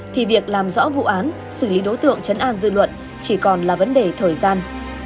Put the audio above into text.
thì việc làm rõ vụ án xử lý đối tượng chấn an dư luận chỉ còn là vấn đề thời gian